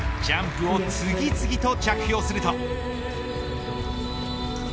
ジャンプを次々と着氷すると。